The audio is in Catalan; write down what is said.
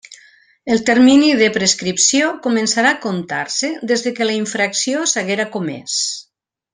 El termini de prescripció començarà a comptar-se des que la infracció s'haguera comés.